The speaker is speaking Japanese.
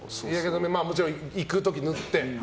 もちろん行くとき塗って。